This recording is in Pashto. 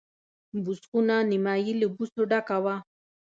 بوس خونه نیمایي له بوسو ډکه وه.